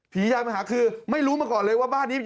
ยายมาหาคือไม่รู้มาก่อนเลยว่าบ้านนี้